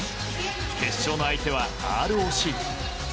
決勝の相手はＲＯＣ。